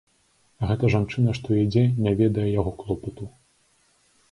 Гэта жанчына, што ідзе, не ведае яго клопату.